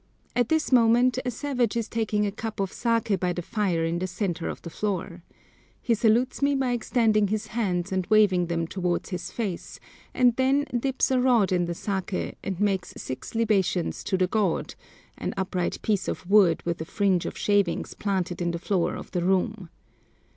At this moment a savage is taking a cup of saké by the fire in the centre of the floor. He salutes me by extending his hands and waving them towards his face, and then dips a rod in the saké, and makes six libations to the god—an upright piece of wood with a fringe of shavings planted in the floor of the room.